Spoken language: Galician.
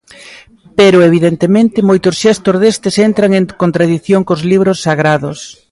Pero evidentemente moitos xestos destes entran en contradición cos libros sagrados.